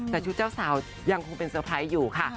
แต่ชุดเจ้าสาวยังคงเป็นเตอร์ไพรส์อยู่ค่ะ